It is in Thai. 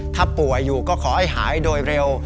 ถ้าป่วยอยู่ก็ขอให้หายโดยเร็ว